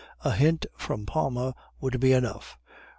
A hint from Palma would be enough.